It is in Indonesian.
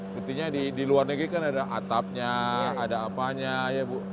sepertinya di luar negeri kan ada atapnya ada apanya ya bu